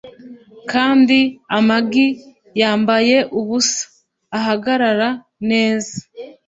kandi amagi yambaye ubusa ahagarara neza,